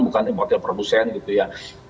bukan model produsen gitu ya